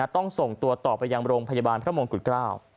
ต้องส่งตัวต่อไปยังโรงพยาบาลพระมงกุฎเกล้า